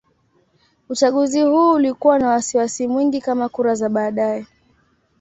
Uchaguzi huu ulikuwa na wasiwasi mwingi kama kura za baadaye.